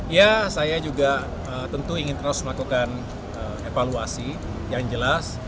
ya saya juga tentu ingin terus melakukan evaluasi yang jelas